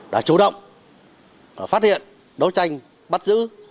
đã chủ động phát hiện đấu tranh bắt giữ